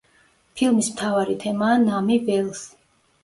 ფილმის მთავარი თემაა „ნამი ველს“.